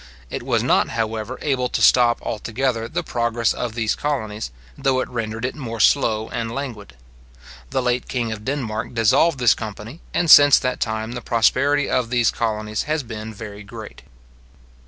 It was not, however, able to stop altogether the progress of these colonies, though it rendered it more slow and languid. The late king of Denmark dissolved this company, and since that time the prosperity of these colonies has been very great.